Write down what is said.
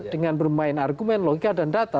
dengan bermain argumen logika dan data